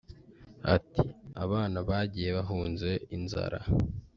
Ati “Abana bagiye bahunze inzara